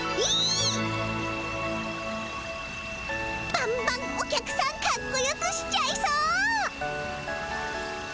バンバンお客さんかっこよくしちゃいそう！